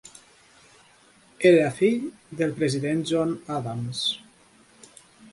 Era fill del president John Adams.